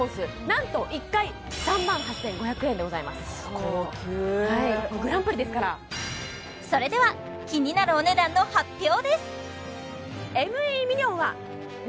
なんと１回３万８５００円でございます高級グランプリですからそれでは気になる今回はなんとおお！